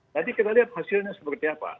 jadi kita lihat hasilnya seperti apa